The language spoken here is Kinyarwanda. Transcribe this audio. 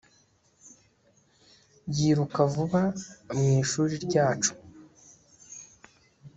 yiruka vuba mwishuri ryacu